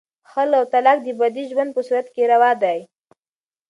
خلع او طلاق د بدې ژوند په صورت کې روا دي.